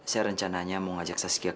saya rencananya mau ngajak saskiat